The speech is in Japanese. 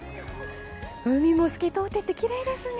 海も透き通っていてきれいですね。